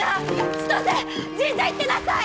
千歳神社行ってなさい！